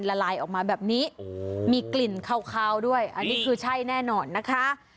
ละลายออกมาแบบนี้มีกลิ่นคาวด้วยอันนี้คือใช่แน่นอนนะคะ